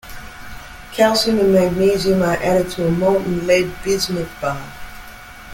Calcium and magnesium are added to a molten lead-bismuth bath.